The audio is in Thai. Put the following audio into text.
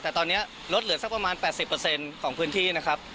แต่ตอนเนี้ยรถเหลือสักประมาณแปดสิบเปอร์เซ็นต์ของพื้นที่นะครับ